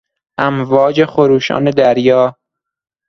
امواج خروشان دریا